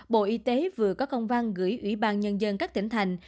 bộ y tế vừa có công văn gửi ủy ban nhân dân các tỉnh thành